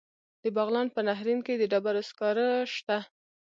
د بغلان په نهرین کې د ډبرو سکاره شته.